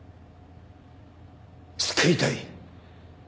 救いたい。